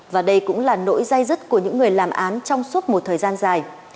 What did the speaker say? và đây cũng là nỗi dây dứt của những người làm án trong suốt một thời gian dài